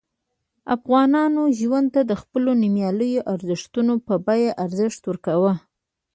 افغانانو ژوند ته د خپلو نوميالیو ارزښتونو په بیه ارزښت ورکاوه.